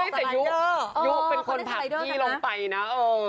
ไม่แต่ยูยูเป็นคนผ่านพี่ลงไปนะ